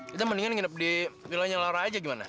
kita mendingan nginep di vilanya laura aja gimana sih